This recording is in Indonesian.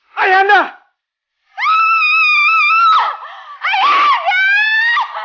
dia tidak bisa jadi seperti itu